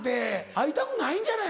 会いたくないんじゃない？